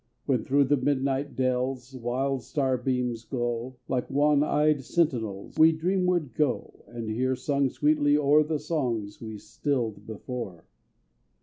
When, thro' the midnight dells, Wild star beams glow, Like wan eyed sentinels, We dreamward go, And hear sung sweetly o'er The songs we stilled before.